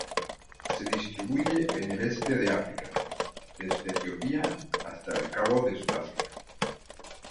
Se distribuye en el este de África, desde Etiopía hasta El Cabo en Sudáfrica.